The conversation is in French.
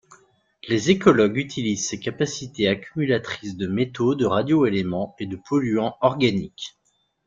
Les écologues utilisent ses capacités accumulatrices de métaux, de radioéléments et de polluants organiques.